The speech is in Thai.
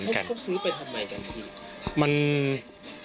เค้าซื้อไปทำไมกันครับพี่